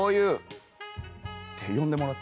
て呼んでもらって。